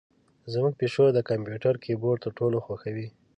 زمونږ پیشو د کمپیوتر کیبورډ تر ټولو خوښوي.